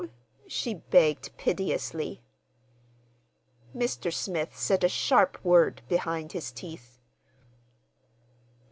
she begged piteously. Mr. Smith said a sharp word behind his teeth.